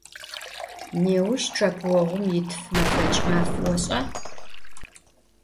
Nêuş ççepıoğum yitf, mefeç' maf, voş'a?